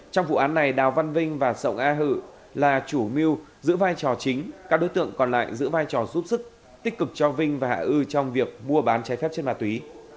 trong vụ án này đào văn vinh và sổng a hự là chủ mưu giữ vai trò chính các đối tượng còn lại giữ vai trò giúp sức tích cực cho vinh và hạ ư trong việc mua bán trái phép chất ma túy